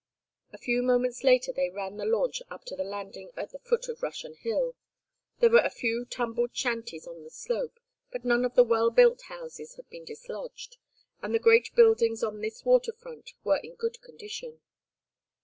A few moments later they ran the launch up to the landing at the foot of Russian Hill. There were a few tumbled shanties on the slope, but none of the well built houses had been dislodged, and the great buildings on this water front were in good condition.